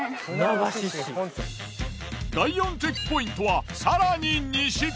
第４チェックポイントは更に西。